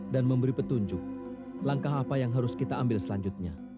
dan memberi petunjuk langkah apa yang harus kita ambil selanjutnya